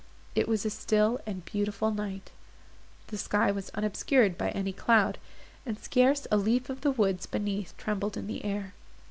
It was a still and beautiful night, the sky was unobscured by any cloud, and scarce a leaf of the woods beneath trembled in the air.